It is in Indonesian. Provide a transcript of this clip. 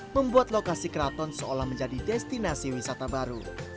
membuat lokasi keraton seolah menjadi destinasi wisata baru